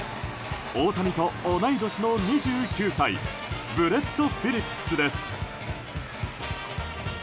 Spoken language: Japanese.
大谷と同い年の２９歳ブレッド・フィリップスです。